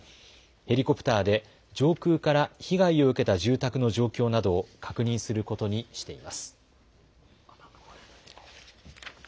ヘリコプターで上空から被害を受けた住宅の状況などを確認することにしています。